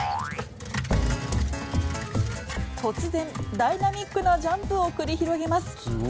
突然、ダイナミックなジャンプを繰り広げます。